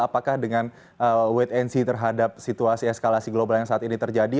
apakah dengan wait and see terhadap situasi eskalasi global yang saat ini terjadi